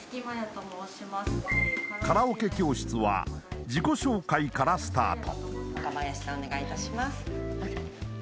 カラオケ教室は自己紹介からスタート